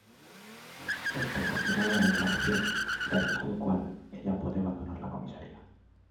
Este confirma la declaración, gracias a lo cual ella puede abandonar la comisaría.